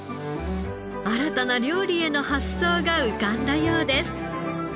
新たな料理への発想が浮かんだようです。